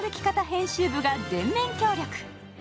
編集部が全面協力。